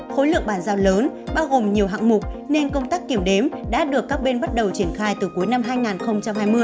khối lượng bàn giao lớn bao gồm nhiều hạng mục nên công tác kiểm đếm đã được các bên bắt đầu triển khai từ cuối năm hai nghìn hai mươi